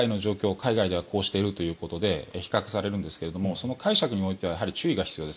海外ではこうしているということで比較されるんですがその解釈においては注意が必要です。